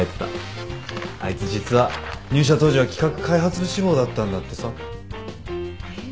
あいつ実は入社当時は企画開発部志望だったんだってさ。へ。